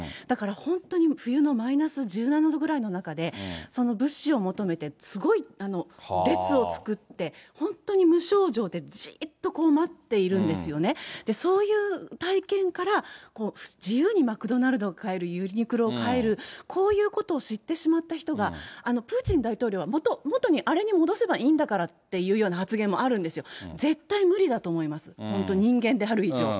だから本当に冬のマイナス１７度ぐらいの中で、物資を求めてすごい列を作って、本当に無表情でじっと待ってるんですよね、そういう体験から、自由にマクドナルドを買える、ユニクロを買える、こういうことを知ってしまった人が、プーチン大統領は元に、あれに戻せばいいんだからっていう発言もあるんですよ、絶対に無理だと思います、本当、人間である以上。